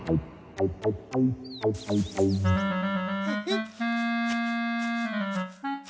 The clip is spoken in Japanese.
フフッ。